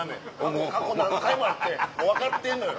もう過去何回もあって分かってんのよ。